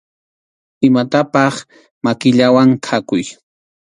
Imatapaq makillawan khakuy.